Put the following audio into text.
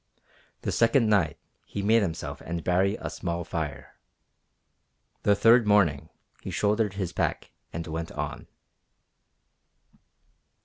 The second night he made himself and Baree a small fire. The third morning he shouldered his pack and went on.